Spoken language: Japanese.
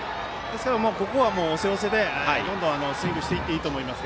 ここは押せ押せでどんどんスイングしていっていいと思います。